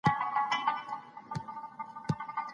شاه امان الله خان د ټولنې د منځنیو طبقو ملاتړ ترلاسه کړ.